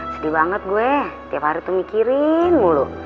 sedih banget gue tiap hari tuh mikirin mulu